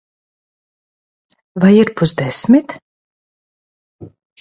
Vai ir pusdesmit?